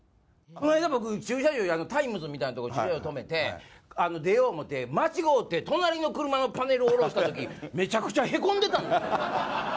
この間、僕、駐車場、タイムズみたいな駐車場止めて、出よう思って、まちごうて、隣の車のパネルを下ろしたとき、めちゃくちゃへこんでた。